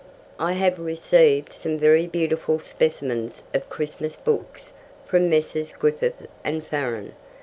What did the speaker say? I have received some very beautiful specimens of Christmas books from Messrs. Griffith and Farran.